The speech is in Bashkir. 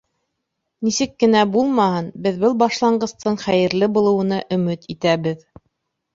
Нисек кенә булмаһын, беҙ был башланғыстың хәйерле булыуына өмөт итәбеҙ.